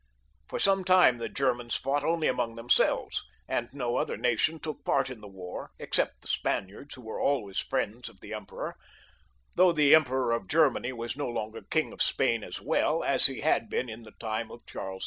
For some time the Germans fought only among themselves, and no other nation took part in the war, except the Spaniards, who were always friends of the Emperor, though the Emperor of Germany was no longer King of Spain as well, as he had been in the time of Charles V.